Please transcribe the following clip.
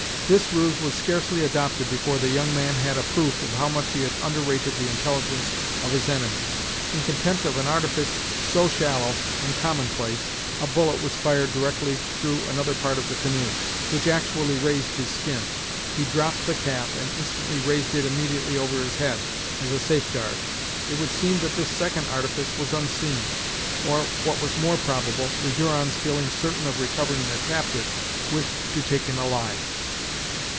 This ruse was scarcely adopted before the young man had a proof how much he had underrated the intelligence of his enemies. In contempt of an artifice so shallow and common place, a bullet was fired directly through another part of the canoe, which actually raised his skin. He dropped the cap, and instantly raised it immediately over his head, as a safeguard. It would seem that this second artifice was unseen, or what was more probable, the Hurons feeling certain of recovering their captive, wished to take him alive.